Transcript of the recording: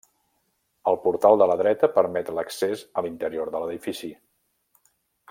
El portal de la dreta permet l'accés a l'interior de l'edifici.